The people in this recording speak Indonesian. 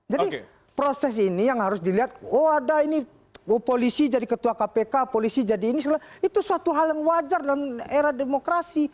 jadi proses ini yang harus dilihat oh ada ini polisi jadi ketua kpk polisi jadi ini itu suatu hal yang wajar dalam era demokrasi